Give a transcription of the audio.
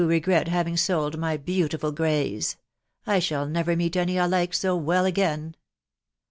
regret haying sold my beautiful greys ... I shall never meet any I like so well again."